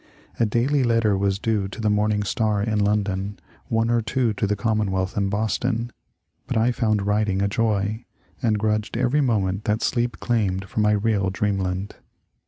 A daily letter was due to the '^ Morn ing Star " in London, one or two to the ^* Commonwealth " in Boston, but I found writing a joy, and grudged every moment that sleep claimed from my real dreamland.